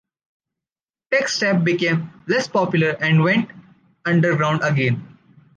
Techstep became less popular and went underground again.